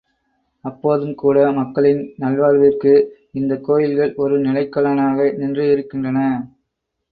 அப்போதும் கூட மக்களின் நல்வாழ்விற்கு இந்தக் கோயில்கள் ஒரு நிலைக்களனாக நின்றிருக்கின்றன.